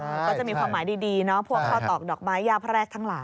ก็จะมีความหมายดีพวกเขาตอกดอกไม้ยาพระแรกทั้งหลัง